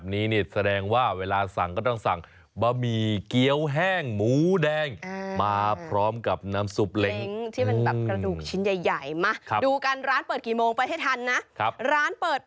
นี่ยืนยันด้วยเสียงของเจ้าของร้าน